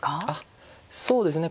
そうですね